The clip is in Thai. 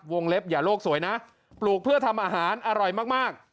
เล็บอย่าโลกสวยนะปลูกเพื่อทำอาหารอร่อยมาก